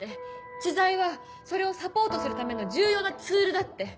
知財はそれをサポートするための重要なツールだって。